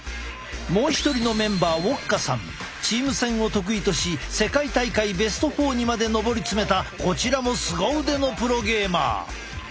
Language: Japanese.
もう一人のメンバーチーム戦を得意とし世界大会ベスト４にまで上り詰めたこちらもすご腕のプロゲーマー。